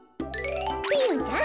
ピーヨンちゃん